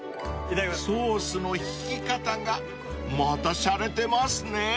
［ソースの引き方がまたしゃれてますねぇ］